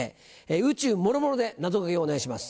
宇宙もろもろで謎掛けをお願いします。